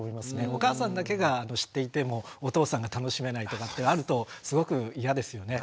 お母さんだけが知っていてもお父さんが楽しめないとかってあるとすごく嫌ですよね。